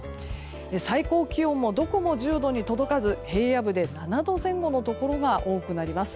最高気温はどこも１０度に届かず平野部で７度前後のところが多くなります。